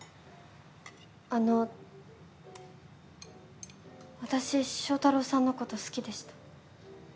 あの私正太郎さんのこと好きでした。